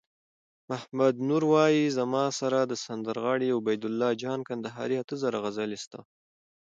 محمد نور وایی: زما سره د سندرغاړی عبیدالله جان کندهاری اته زره غزلي سته